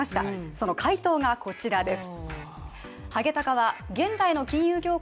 その回答がこちらです。